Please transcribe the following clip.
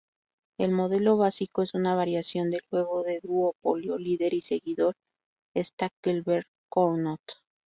El modelo básico es una variación del juego de duopolio "líder y seguidor" Stackelberg-Cournot.